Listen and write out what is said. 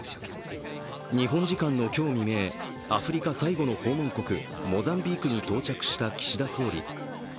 日本時間の今日未明、アフリカ最後の訪問国、モザンビークに到着した岸田総理。